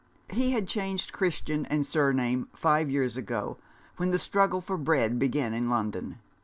He had changed Christian and surname five years ago when the struggle for bread began in London.